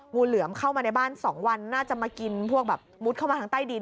งูเหลือมเข้ามาในบ้าน๒วันน่าจะมากินพวกแบบมุดเข้ามาทางใต้ดิน